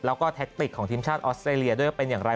แล้วก็แท็กติกของทีมชาติออสเตรเลียด้วยว่าเป็นอย่างไร